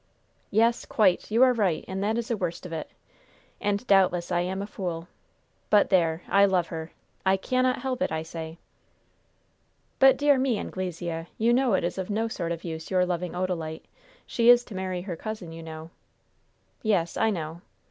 "Yes, quite! You are right, and that is the worst of it! And doubtless I am a fool! But there! I love her! I cannot help it, I say!" "But, dear me, Anglesea, you know it is of no sort of use your loving Odalite. She is to marry her cousin, you know." "Yes, I know."